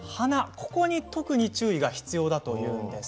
ここに特に注意が必要だということなんです。